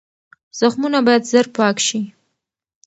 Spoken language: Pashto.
زخمونه باید زر پاک شي.